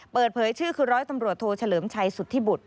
เปิดเผยชื่อคือรตโถเฉลิมชัยสุธิบุตร